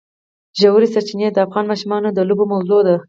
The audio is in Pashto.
ژورې سرچینې د افغان ماشومانو د لوبو موضوع ده.